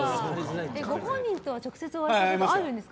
ご本人とは直接お会いしたことあるんですか？